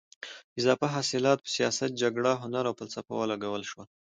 اضافه حاصلات په سیاست، جګړه، هنر او فلسفه ولګول شول.